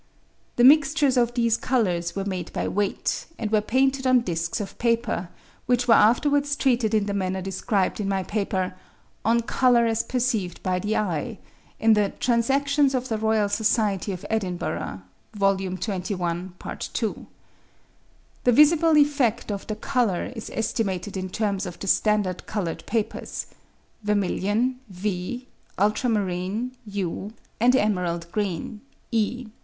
The mixtures of these colours were made by weight, and were painted on discs of paper, which were afterwards treated in the manner described in my paper "On Colour as perceived by the Eye," in the Transactions of the Royal Society of Edinburgh, Vol. XXI. Part 2. The visible effect of the colour is estimated in terms of the standard coloured papers: vermilion (V), ultramarine (U), and emerald green (E).